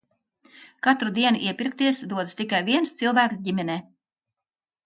Katru dienu iepirkties dodas tikai viens cilvēks ģimenē.